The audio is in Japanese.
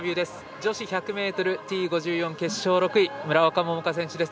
女子１００ｍＴ５４決勝６位村岡桃佳選手です。